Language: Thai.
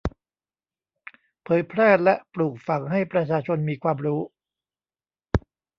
เผยแพร่และปลูกฝังให้ประชาชนมีความรู้